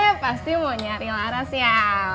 eh pasti mau nyari laras ya